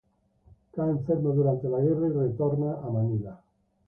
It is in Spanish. Cae enfermo durante la guerra y retorna a Manila.